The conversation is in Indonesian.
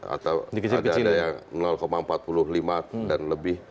atau ada yang empat puluh lima dan lebih